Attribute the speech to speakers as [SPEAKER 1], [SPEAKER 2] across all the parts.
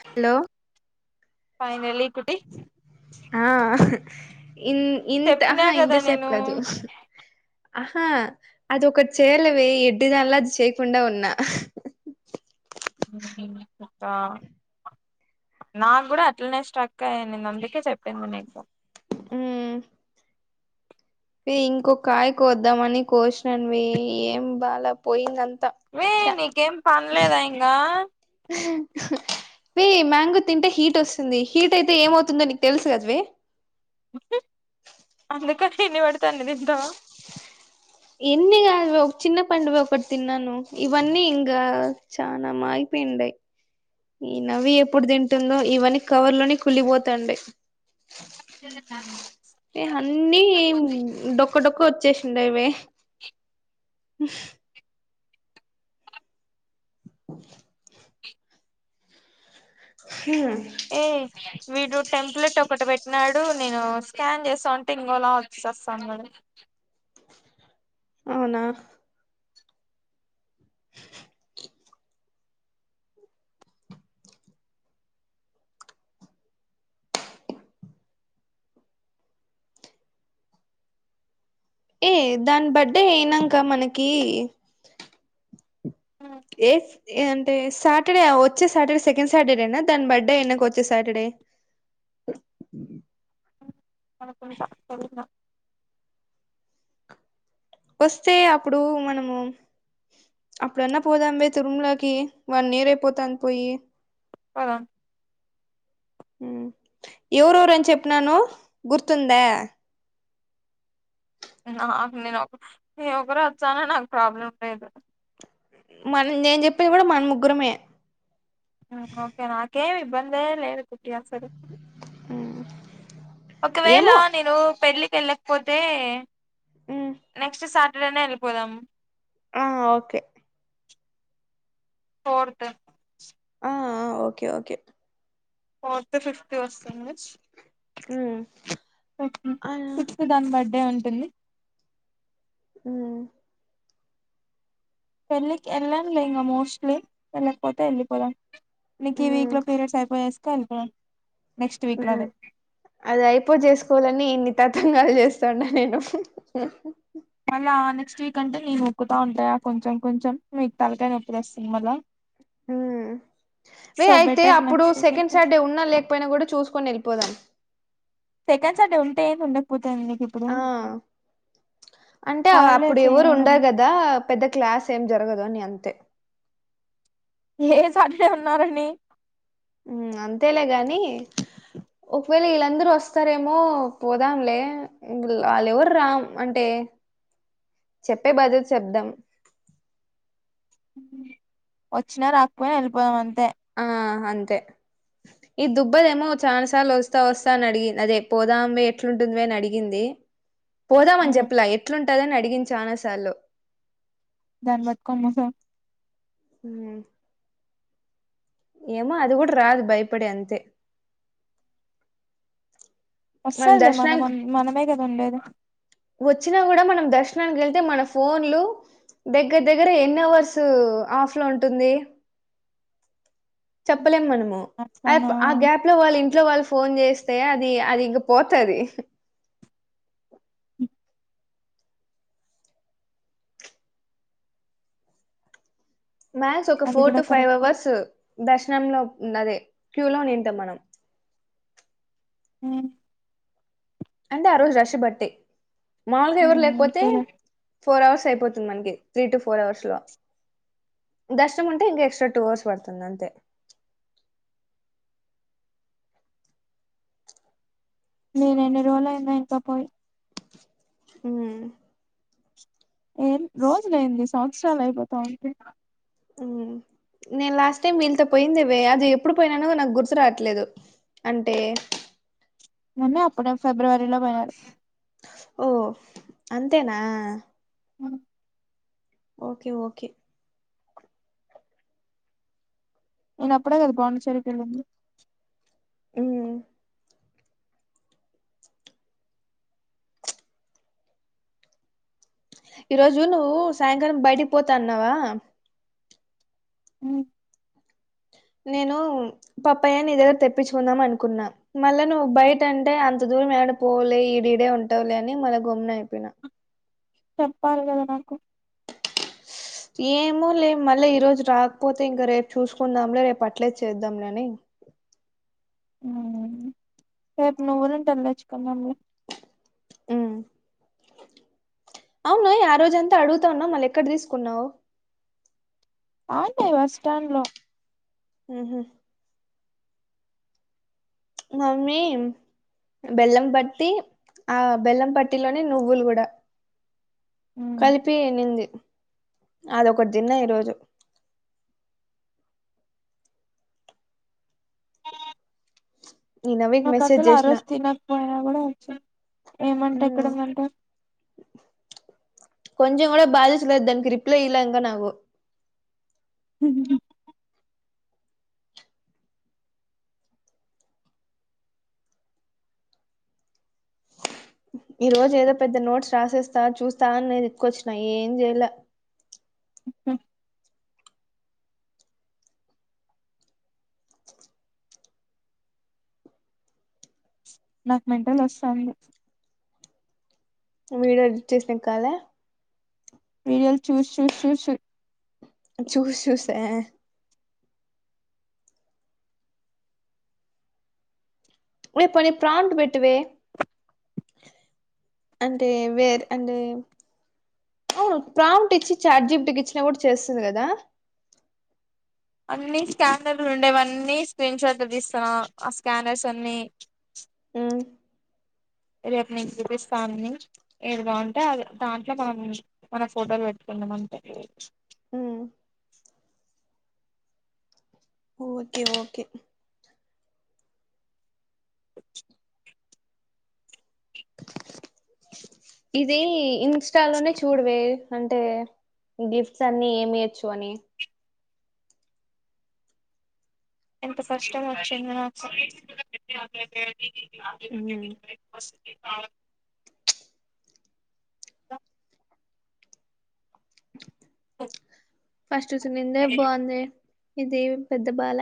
[SPEAKER 1] Hello
[SPEAKER 2] finally
[SPEAKER 1] ఆహ్ ఇన్
[SPEAKER 2] చెప్పినా
[SPEAKER 1] ఇంతహా ఇంత
[SPEAKER 2] కదా
[SPEAKER 1] సేపు
[SPEAKER 2] నేను
[SPEAKER 1] కాదు ఆహా అది ఒక చేయలవి ఎడ్డిదానిలా అది చేయకుండా ఉన్నా
[SPEAKER 2] ఆ నాకు గూడా అట్లనే స్ట్రక్ అయ్యిందిను అందుకే చెప్పింది నీకు
[SPEAKER 1] ఉ ఇంకొ కాయ కోద్దాంమని కోసినాను మే ఏం బాల పోయింది అంత
[SPEAKER 2] మే నీకేం పన్లేదా ఇంకా
[SPEAKER 1] వి మ్యాంగో తింటే హీట్ వస్తుంది. హీట్ అయితే ఏమవుతుందో నీకు తెలుసు కదవే.
[SPEAKER 2] అందుక ఇన్నివేడతాంది తింటవా
[SPEAKER 1] ఎన్నిగ చిన్న పండు ఒకటి తిన్నాను. ఇవన్నీ హింగ్ చానా మా పిండయ్ ఈ నవి ఎప్పుడు తింటుందో ఇవన్నీ కవర్ లోనే కుళ్లిపోతండై ఏ అన్నీ డొక్క డొక్క వచ్చేసిండ అవే హ
[SPEAKER 2] ఏ వీడు టెంప్లెట్ ఒకటి పెట్నాడు. నేను స్కాన్ చేస్తా అంటే ఇంకోలా చస్తాను గాని
[SPEAKER 1] అవునా ఏ దాని బర్డే అయినంక మనకి ఏ ఏ అంటే సాటర్డే వచ్చే సాటర్డే సెకండ్ సాటర్డేనా దాని బర్త్డే ఎన్నక వచ్చే సాటర్డే
[SPEAKER 2] బ్బా తెలీదు
[SPEAKER 1] వస్తే అప్పుడు మనము అప్పుడన్న పోదాబే తిరుమలాకి వన్ ఇయర్ అయిపోతాంది పోయి
[SPEAKER 2] అవునా
[SPEAKER 1] ఎవరెవరని చెప్పిననో గుర్తుందా
[SPEAKER 2] నేను ఒక నేను ఒకరు వచ్చాన నాకు ప్రాబ్లం లేదు.
[SPEAKER 1] మన నేన్ చెప్పేది కూడా మన ముగ్గురమే
[SPEAKER 2] ఓకే నాకేమీ ఇబ్బందే లేదు గే అస్సలు ఒకవేళ
[SPEAKER 1] ఏమో
[SPEAKER 2] నేను పెళ్లి కేళ్ళకపోతే నెక్స్ట్ సాటర్డేనే వెళ్ళిపోదాం
[SPEAKER 1] ఆ ఓకే
[SPEAKER 2] చోర్తే
[SPEAKER 1] ఆ ఓకే ఓకే
[SPEAKER 2] ఫోర్త్ ఫిఫ్త్ వస్తుంది
[SPEAKER 1] ఉమ్
[SPEAKER 2] ఉమ్ ఫిఫ్త్ దాని బర్త్డే ఉంటుంది
[SPEAKER 1] ఉమ్
[SPEAKER 2] పేళ్ళికి ఎల్లమ్లే ఇంగ మోస్ట్లీ వెళ్ళక పోతే వెళ్ళిపోదాం నీకు ఈ వీక్ లో పీరియడ్స్ అయిపోజేస్తే ఎల్లిపోదాం
[SPEAKER 1] ఉమ్ అది అయిపో చేసుకోవాలని ఇన్ని తతంగాలు చేస్తాండా నేను
[SPEAKER 2] ఇగ ఆమె నెక్స్ట్ వీక్ అంటే నేనుొక్కుతా ఉంటాయా కొంచెం కొంచెం మీకు తలకాయ నొప్పి లెస్తుంది మళ్ళా
[SPEAKER 1] ఉమ్ వే
[SPEAKER 2] సో
[SPEAKER 1] అయితే
[SPEAKER 2] బెటర్
[SPEAKER 1] అప్పుడు
[SPEAKER 2] నెక్స్ట్ వీక్
[SPEAKER 1] సెకండ్
[SPEAKER 2] వెళ్ళిపోదాం.
[SPEAKER 1] సాటర్డే ఉన్నా లేకపోయినా కూడా చూసుకొని వెళ్ళిపోదాం
[SPEAKER 2] సెకండ్ సాటర్డే ఉంటే ఏంది ఉండ పోతే
[SPEAKER 1] ఆ అంటే అప్పుడు
[SPEAKER 2] హాలిడేస్
[SPEAKER 1] ఎవరు
[SPEAKER 2] ఏమైనా
[SPEAKER 1] ఉండరు
[SPEAKER 2] ఉండవు
[SPEAKER 1] కదా పెద్ద క్లాస్ ఏం జరగద్ ని అంతే
[SPEAKER 2] లేస్ అట్లే ఉన్నారండీ
[SPEAKER 1] ఉమ్ అంతేలే గాని ఒకవేళ వీళ్ళందరూ వస్తారేమో పోదాంలే వాళ్ళెవరు రా అంటే చెప్పే బదుల్ చెప్దాం
[SPEAKER 2] ఓచ్చిన రాకపోయినా వెళ్ళిపోదాం అంతే
[SPEAKER 1] ఆ అంతే ఈ దుబ్బదేమో చాలా సార్లు వస్తా వస్తా అని అడిగింది అదే పోదాం ఎట్లుంటుంది అని అడిగింది పోదామని
[SPEAKER 2] ఉమ్
[SPEAKER 1] చెప్పలా ఎట్లుంటదని అడిగింది చానాసార్లు
[SPEAKER 2] దాన్ పట్టుకొని పోదాం
[SPEAKER 1] ఉమ్ ఏమో అది కూడా రాదు భయపడి అంతే మనం
[SPEAKER 2] వస్తది మన
[SPEAKER 1] దర్శనానికి
[SPEAKER 2] మనమే కదా ఉండేది
[SPEAKER 1] వచ్చినా కూడా మనం దర్శనానికి వెళ్తే మన ఫోన్లు దగ్గర దగ్గర ఎన్ని అవర్స్ ఆఫ్ లో ఉంటుంది చెప్పలేం మనము ఆప్
[SPEAKER 2] అట్లానా
[SPEAKER 1] గ్యాప్ లో వాళ్ళు ఇన్ ఇంట్లో వాళ్ళు ఫోన్ చేస్తే అది అది ఇంక పోతది మ్యాన్స్ ఒక
[SPEAKER 2] అది
[SPEAKER 1] ఫోర్
[SPEAKER 2] కూడా
[SPEAKER 1] టు ఫైవ్
[SPEAKER 2] కరెక్టే
[SPEAKER 1] అవర్స్ దర్శనంలో అదే క్యూలో నింటమ్ మనం
[SPEAKER 2] ఉమ్
[SPEAKER 1] అంటే ఆ రోజు రష్ బట్టే మామూలుగా ఎవరు లేకపోతే
[SPEAKER 2] సరే
[SPEAKER 1] ఫోర్ అవర్స్ అయిపోతుంది మనకి త్రీ టు ఫోర్ అవర్స్ లో దర్శనం ఉంటే ఇంకా ఎక్స్ట్రా టూ అవర్స్ పడుతుంది అంతే
[SPEAKER 2] నేను ఎన్ని రోజులయినా ఇంకా పోయి
[SPEAKER 1] ఉమ్
[SPEAKER 2] ఏ రోజులయంది సంవత్సరాలు అయిపోతా ఉడి
[SPEAKER 1] నేను లాస్ట్ టైం వీళ్లతో పోయిందేవే అది ఎప్పుడు పోయినానో నాకు గుర్తు రావట్లేదు అంటే
[SPEAKER 2] మొన్నే అప్పుడే ఫిబ్రవరిలో పోయినారు
[SPEAKER 1] ఓ అంతేనా
[SPEAKER 2] ఆ
[SPEAKER 1] ఓకే ఓకే
[SPEAKER 2] నేను అప్పుడే కదా పాండిచ్చేరి కెళ్ళింది
[SPEAKER 1] ఉమ్ ఈ రోజు నువ్వు సాయంకాలం బయడి పోతా అన్నావా నేను పప్పయ్య నీ దగ్గర తెప్పించుకుందాం అనుకున్నా మళ్ళా నువ్వు బయట అంటే అంత ద దూరం ఏడకీ పోవలే ఈడడే ఉంటాలే అని మళ్ గ గుమ్న అయిపోయిన
[SPEAKER 2] చెప్పాలి కదా నాకు
[SPEAKER 1] ఏమోలే మళ్ళీ ఈ రోజు రాకపోతే ఇంకా రేపు చూసుకుందాంలే రేపు అట్లే చేద్దాంలే అన్ని
[SPEAKER 2] రేపు నువ్వులు ఉండలు తెచ్చుకుందాం లే
[SPEAKER 1] ఉమ్ అవును ఆ రోజంతా అడుగుతా ఉన్నా మళ్ళ ఎక్కడ తీసుకున్నావు
[SPEAKER 2] ఆడ్నే బస్ స్టాండ్ లో
[SPEAKER 1] ఉహు మమ్మీ బెల్లం పట్టి ఆ బెల్లం పట్టిలోనే నువ్వులు కూడా కలిపి ఎన్నింది అదొకటి తిన్న ఈరోజు ఈ నవీకి
[SPEAKER 2] నాకు
[SPEAKER 1] మెసేజ్
[SPEAKER 2] అసలు ఆ
[SPEAKER 1] చేసిన
[SPEAKER 2] రోజు తినకపోయినా కూడా వచ్చ ఏమంటా
[SPEAKER 1] "మ్,
[SPEAKER 2] ఎక్కడుందంట
[SPEAKER 1] కొంచెం కూడా బాధ్యత లేదు దానికి రిప్లై ఇలా ఇంకా నాకు
[SPEAKER 2] హ
[SPEAKER 1] ఈ రోజు ఏదో పెద్ద నోట్స్ రాసేస్తా చూస్తా అని నేను ఎతుకొచ్చినా ఏం చేయలే
[SPEAKER 2] నాకు మెంటల్ వస్తాంది
[SPEAKER 1] వీడియో ఎడిట్ చేసినా కాలా
[SPEAKER 2] వీడియోలు చూసి చూసి చూసు
[SPEAKER 1] చూస్ చూసే ఆ హే పోనీ ఫ్రంట్ పెట్టవే అంటే వేరు అంటే అవును ప్రాంట్ ఇచ్చి చార్జీప్టికి ఇచ్చినా కూడా చేస్తుంది కదా
[SPEAKER 2] అన్ని స్కానర్లు ఉండేవన్నీ స్క్రీన్ షాట్లు తీస్తన్నా ఆ స్కానర్స్ అన్ని
[SPEAKER 1] మ్మ్
[SPEAKER 2] రేపు నేను చూపిస్తాని అన్ని ఏది బాగుంటే అ దాంట్లో మనం మన ఫోటోలు పెట్టుకు మన పెట్టవచ్చు
[SPEAKER 1] ఉ ఓకే ఓకే ఇది ఇన్స్టాలోనే చూడవే అంటే గిఫ్ట్స్ అన్నీ ఏమియచ్చు అని
[SPEAKER 2] ఎంత కష్టం ఒచ్చింది నాకు గ వస్త అవు ఓ
[SPEAKER 1] ఫస్ట్ స్విమ్మిన్దే బావుందే ఇదేం పెద్ద బాల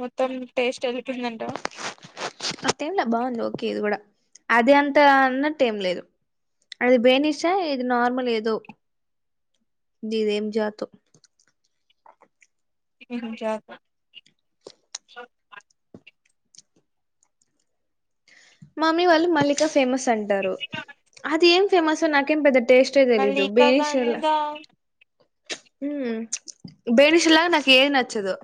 [SPEAKER 2] మొత్తం టేస్ట్ ఏళ్ళిపోయిందంటవ.
[SPEAKER 1] అట్లేంలే బావుంది ఓకే ఇది గూడా అది అంతా అన్నట్టేం లేదు. అది బేనీషా ఇది నోర్మల్ ఏదో దిదేం జాతొ
[SPEAKER 2] [unintelligible]
[SPEAKER 1] మమ్మీ వాళ్ళు మల్లిక ఫేమస్ అంటారు. అది ఏం ఫేమసో నాకేం పెద్ద టేస్టే తెలీదు
[SPEAKER 2] మల్లిక
[SPEAKER 1] బెనీషెల
[SPEAKER 2] గంగా
[SPEAKER 1] ఊ బేనిషల్లాగ నాకేది నచ్చదు.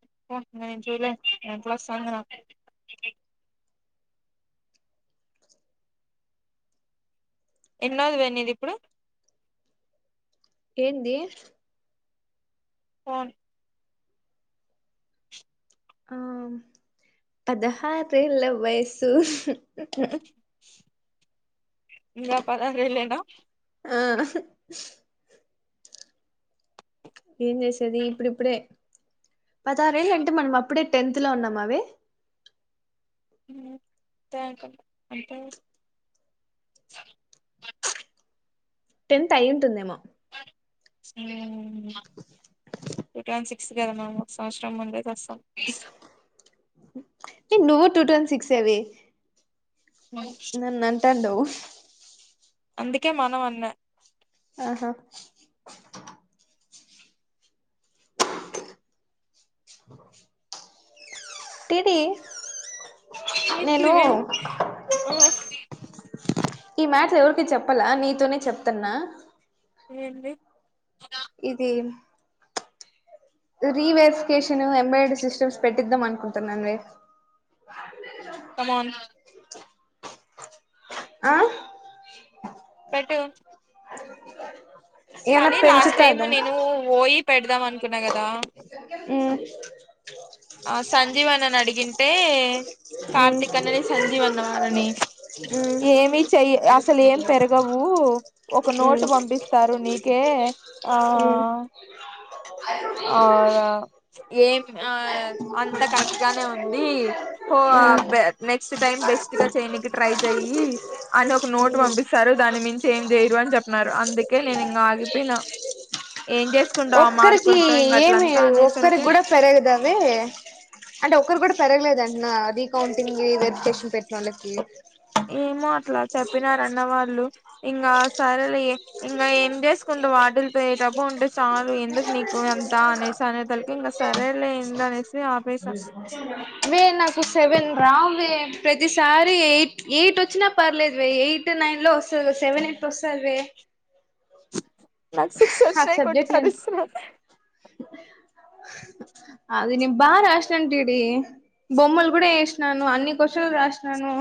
[SPEAKER 2] [unintelligible] ఎన్నోది వే నీదిప్పుడు.
[SPEAKER 1] ఏందీ
[SPEAKER 2] ఫోన్
[SPEAKER 1] ఆ పదహారేళ్ళ వయసు
[SPEAKER 2] ఇంకా పదరేల్లేన.
[SPEAKER 1] ఆ ఏం చేసేది ఇప్పుడిప్పుడే పదారేళ్ళంటే మనం అ ప్పుడే టెన్త్ లో ఉన్నమవే.
[SPEAKER 2] [unintelligible]
[SPEAKER 1] టెన్త్ అయుంటుందేమో.
[SPEAKER 2] [unintelligible] టూ థౌసండ్ సిక్స్ గదా మనం ఒక సంవత్సరం ముందే చేస్తాం.
[SPEAKER 1] ఏ నువ్వు టూ థౌసండ్ సిక్స్ అవి నన్ అంటండవు.
[SPEAKER 2] అందుకే మనం అన్న
[SPEAKER 1] ఆహా [inaudible] టీ టీ
[SPEAKER 2] టీ టీ ఆ
[SPEAKER 1] ఈ మ్యాట్రు ఎవరికి చెప్పలా నీతోనే చెప్తున్నా.
[SPEAKER 2] ఏంది
[SPEAKER 1] ఇదీ రీవేరిఫికేషనూ ఎంబ్రయిడరి సిస్టమ్స్ పెట్టిద్దాం అనుకుంటున్నాన్ వే
[SPEAKER 2] కమ్ ఆన్
[SPEAKER 1] ఆ
[SPEAKER 2] పెట్టూ
[SPEAKER 1] ఏమన్నా
[SPEAKER 2] కనీ లాస్ట్ టైం
[SPEAKER 1] పెంచుతాదా
[SPEAKER 2] నేను ఓయి పెడదాం అనుకున్న గదా
[SPEAKER 1] ఊ
[SPEAKER 2] ఆ సంజీవన్న నడిగింటే
[SPEAKER 1] ఉమ్
[SPEAKER 2] కార్తికన్నని సంజీవన్నవాళ్ళనీ
[SPEAKER 1] ఉమ్
[SPEAKER 2] ఏమి చెయ్య అసలేం పెరగవూ ఒక నోటు
[SPEAKER 1] ఉమ్
[SPEAKER 2] పంపిస్తారు నీకే ఆ
[SPEAKER 1] ఉమ్
[SPEAKER 2] అవ ఏం ఆ అంత కరెక్ట్ గానే ఉంది
[SPEAKER 1] ఉమ్
[SPEAKER 2] నెక్స్ట్ టైమ్ బెస్ట్ గా ట్రై చెయ్యి అని ఒక నోట్ పంపిస్తారు దాని చేంజ్ చేయరు అని చెప్పన్నారు అందుకే నేను ఇంకా ఆగిపోయిన ఏం చేసుకుంటా ఆ మా
[SPEAKER 1] ఒక్కరికి ఏమి ఒకరి కూడా పెరగద అవి అంటే ఒకరు కూడా పెరగ లేదన్న అది కౌంటింగ్ వెరిఫికేషన్ పెట్టిన వాళ్ళకి
[SPEAKER 2] ఏమో అట్లా చెప్పినారు అన్న వాళ్ళు ఇంకా సరలే ఇంకా ఏం చేసు వాటిలతో ఏ డబ్బు ఉంటే చాలు ఎందుకు నీకు ఎంత అనేసి అనేతలకి ఇంకా సరే లే ఏం అనే చెప్పి ఆపేసా
[SPEAKER 1] వే నాకు సేవెన్ రావే ప్రతిసారి ఎయిట్ ఎయిట్ వచ్చినా పర్లేదు ఎయిట్ నైన్ లో వస్తుంది సెవెన్ ఎయిట్ వస్తది వే
[SPEAKER 2] నా సిక్స్
[SPEAKER 1] ఆ
[SPEAKER 2] వచ్చినయ్ కొట్ట
[SPEAKER 1] సబ్జెక్ట్ నేను
[SPEAKER 2] అరిస్తన
[SPEAKER 1] అది నేను బా రాసినాను ఇడి బొమ్మలు కూడా వేసినను అన్ని క్వశ్చన్ లు రాసినను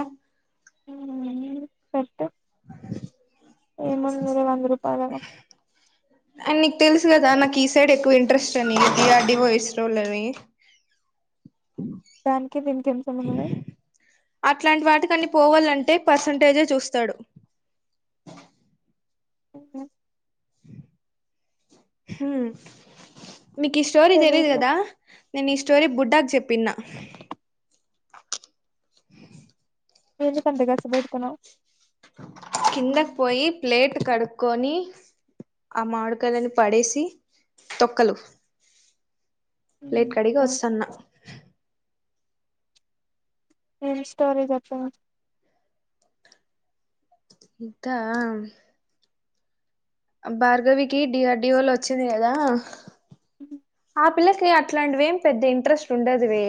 [SPEAKER 2] ఉమ్ ఏముందిలే వంద రూపాయలే కదా
[SPEAKER 1] అండ్ నీకు తెలుసు కదా నాకు ఈ సైడ్ ఎక్కువ ఇంట్రెస్ట్ అని ఇది అడ వయిస్ రోలని
[SPEAKER 2] దానికి దీనికి ఏం సంబంధమే
[SPEAKER 1] అట్లాంటి వాటికన్ని పోవాలంటే పర్సంటేజే చూస్తాడు
[SPEAKER 2] ఉ
[SPEAKER 1] హ నీకు ఈ స్టోరీ తెలీదు
[SPEAKER 2] తెలీదులే
[SPEAKER 1] కదా నేను ఈ స్టోరీ బుడ్డాకి చెప్పిన
[SPEAKER 2] ఎందుకట్లా కార్సు పెడుతున్నావు
[SPEAKER 1] కిందకి పోయి ప్లేట్ కడుక్కొని ఆ మాడుకాయలను పడేసి తొక్కలు ప్లేట్ కడిగి వస్తాన్న
[SPEAKER 2] ఏం స్టోరీ చెప్పు
[SPEAKER 1] ఇదా భార్గవికి డిఆర్ డిఓలో వచ్చింది కదా ఆ పిల్లకి అట్లాంటివి ఏం పెద్దగా ఇంట్రెస్ట్ ఉండదువి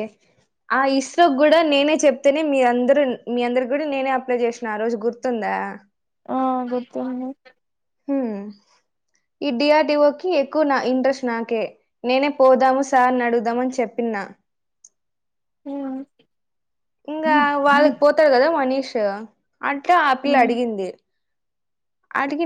[SPEAKER 1] ఆ ఇస్రోకి కూడా నేనే చెప్తేనే మీ అందరుూ మీ అందరు కూడా నేనే అప్లై చేసిన ఆ రోజు గుర్తుందా
[SPEAKER 2] ఆ గుర్తుంది
[SPEAKER 1] హ్మ్. ఈ డిఆర్డిఓ కి ఎక్కువ నా ఇంట్రెస్ట్ నాకే నేనే పోదాము సార్ని అడుగుదామ అని చెప్పిన
[SPEAKER 2] ఉమ్
[SPEAKER 1] ఇంకా వాళ్ళకి పోతారు కదా మనీష్ అట్లా ఆ పిల్ల
[SPEAKER 2] ఉమ్
[SPEAKER 1] అడిగింది అడిగి